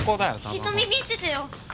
瞳見ててよ。